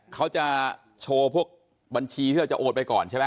เขาจะโชว์พวกบัญชีที่เราจะโอนไปก่อนใช่ไหม